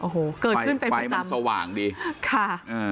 โอ้โหเกิดขึ้นเป็นประจำไฟมันสว่างดีค่ะอ่า